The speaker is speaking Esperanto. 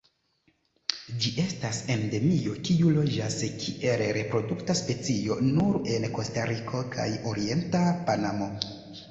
Ĝi estas endemio kiu loĝas kiel reprodukta specio nur en Kostariko kaj orienta Panamo.